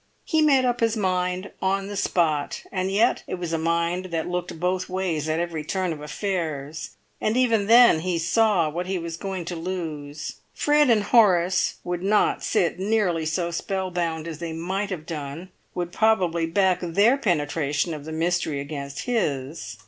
He made up his mind on the spot; and yet it was a mind that looked both ways at every turn of affairs, and even then he saw what he was going to lose. Fred and Horace would not sit nearly so spellbound as they might have done, would probably back their penetration of the mystery against his!